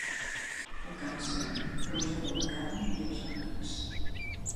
El càncer rosega la carn i els òrgans.